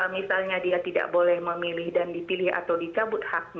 misalnya dia tidak boleh memilih dan dipilih atau dicabut haknya